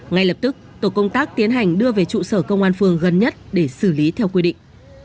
ngay lập tức tổ công tác tiến hành đưa về trụ sở công an phường gần nhất để xử lý theo quy định